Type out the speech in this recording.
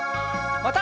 また。